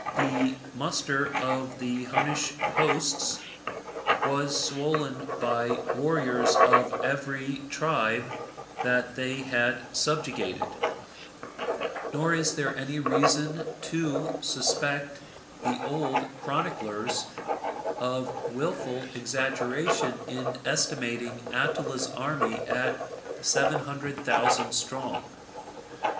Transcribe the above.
The muster of the Hunnish hosts was swollen by warriors of every tribe that they had subjugated; nor is there any reason to suspect the old chroniclers of wilful exaggeration in estimating Attila's army at seven hundred thousand strong.